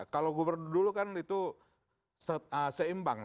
kalau gubernur dulu kan itu seimbang